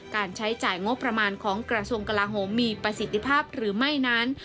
การใช้จ่ายงบประมาณของกระทรวงกลาโหมมีประสิทธิภาพหรือไม่นั้น